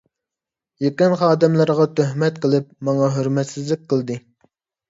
يېقىن خادىملىرىغا تۆھمەت قىلىپ، ماڭا ھۆرمەتسىزلىك قىلدى.